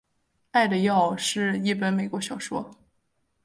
爱的药是一本美国小说。